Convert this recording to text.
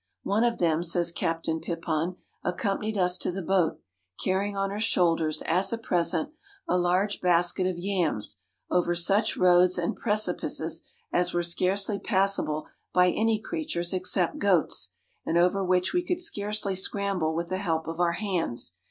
"One of them," says Captain Pipon, "accompanied us to the boat, carrying on her shoulders, as a present, a large basket of yams, over such roads and precipices as were scarcely passable by any creatures except goats, and over which we could scarcely scramble with the help of our hands.